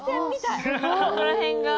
ここら辺が。